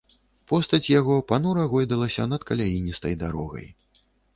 Постаць яго панура гойдалася над каляіністай дарогай.